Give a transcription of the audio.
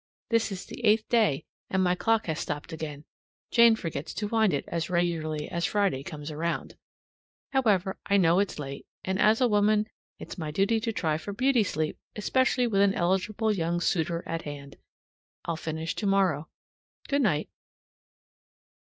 (This is the eighth day, and my clock has stopped again; Jane forgets to wind it as regularly as Friday comes around.) However, I know it's late; and as a woman, it's my duty to try for beauty sleep, especially with an eligible young suitor at hand. I'll finish tomorrow. Good night.